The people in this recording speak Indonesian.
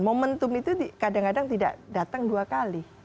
momentum itu kadang kadang tidak datang dua kali